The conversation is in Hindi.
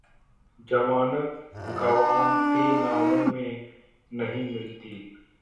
जमानत ग्वांतेनामो में नहीं मिलती